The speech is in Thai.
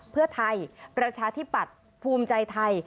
เพื่อไทยประชาธิปัตย์ภูมิใจไทย